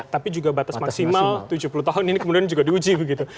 tapi juga batas maksimal tujuh puluh tahun ini kemudian juga diuji begitu